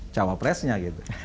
cawa presnya gitu